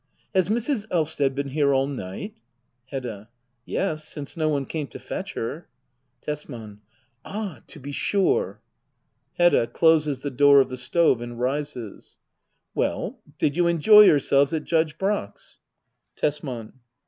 Has Mrs. Elvsted been here all night ? Hedda. Yes, since no one came to fetch her. Tesman. Ah, to be sure. Hedda. [Closes the door of the stove and rises,] Well, did you enjoy yourselves at Judge Brack's ? Tesman.